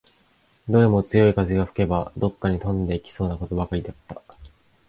どれも強い風が吹けば、どっかに飛んでいきそうなことばかりだった